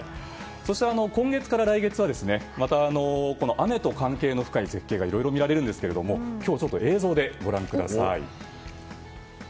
そして今月から来月は雨と関係の深い絶景がいろいろ見られるんですが今日、ちょっと映像でご覧ください。